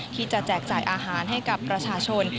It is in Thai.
แจกจ่ายอาหารให้กับประชาชน